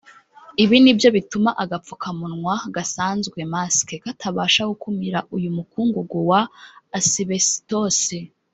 Ibi nibyo bituma agapfukamunwa gasanzwe “mask” katabasha gukumira uyu mukungugu wa Asibesitosi